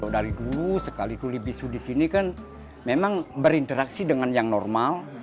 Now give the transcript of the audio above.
dari dulu sekali tuli bisu di sini kan memang berinteraksi dengan yang normal